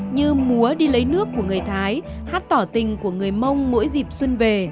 như múa đi lấy nước của người thái hát tỏ tình của người mông mỗi dịp xuân về